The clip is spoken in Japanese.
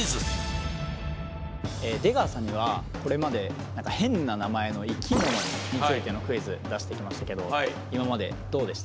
出川さんにはこれまで何か変な名前の生き物についてのクイズ出してきましたけど今までどうでした？